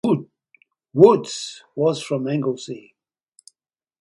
Woods was from Anglesea.